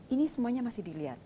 ini semuanya masih dilihat